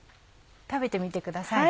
食べてみてください。